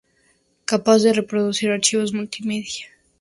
Capaz de reproducir archivos multimedia.